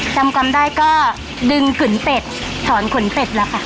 จำความได้ก็ดึงขุนเป็ดถอนขุนเป็ดแล้วค่ะ